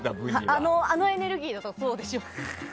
あのエネルギーだとそうでしょうね。